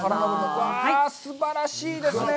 うわあ、すばらしいですね。